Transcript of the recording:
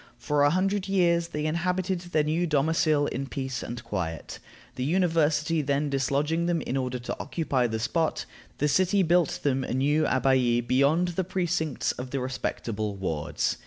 For a hundred years they inhabited their new domicil in peace and quiet. The University then dislodging them in order to occupy the spot, the city built them a new abbaye beyond the precincts of the respectable wards.